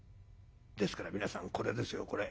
ですから皆さんこれですよこれ。